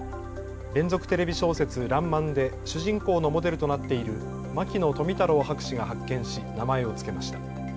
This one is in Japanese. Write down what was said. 連続テレビ小説、らんまんで主人公のモデルとなっている牧野富太郎博士が発見し名前をつけました。